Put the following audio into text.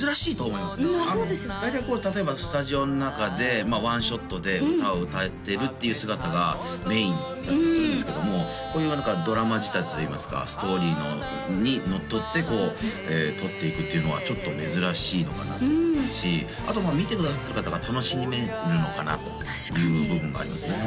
そうですよね大体こう例えばスタジオの中でワンショットで歌を歌ってるっていう姿がメインだったりするんですけどもこういうドラマ仕立てといいますかストーリーにのっとってこう撮っていくっていうのはちょっと珍しいのかなと思いますしあと見てくださってる方が楽しめるのかなという部分がありますね